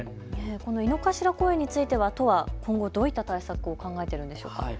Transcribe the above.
この井の頭公園については都は今後どういった対策を考えているんでしょうか。